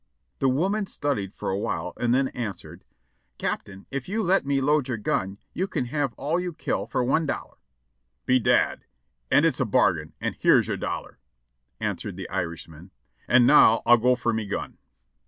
"The woman studied for a while and then answered: " 'Captain, if you let me load your gun you kin have all you kill for one dollar.' " 'Bedad ! an' it's a bargain, an' here's your dollar,' answered the Irishman, 'an' now I'll go fer me gun.'